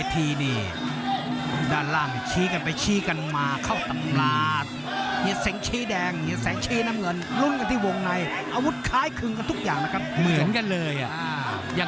ทั้งคู่แข้งซ้ายเตะอย่างนู้น